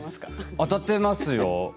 当たってますよ。